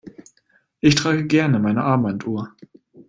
Ich trage gerne meine Armbanduhr.